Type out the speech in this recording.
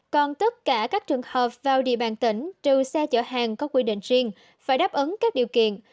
còn tất cả các trường hợp vào địa bàn tỉnh trừ xe chở hàng có quy định riêng phải đáp ứng các điều kiện